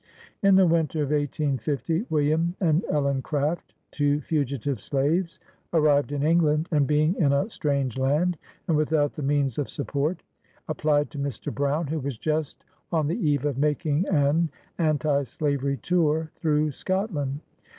" In the winter of 1850, William and Ellen Craft, two fugitive slaves, arrived in England, and being in a strange land, and without the means of support, applied to Mr. Brown, who was just on the eve of making an anti slavery tour through Scotland.